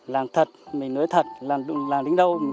làm thật mình nói thật làm đến đâu